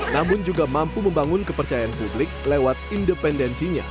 namun juga mampu membangun kepercayaan publik lewat independensinya